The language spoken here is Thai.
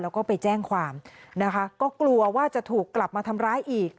แล้วก็ไปแจ้งความนะคะก็กลัวว่าจะถูกกลับมาทำร้ายอีก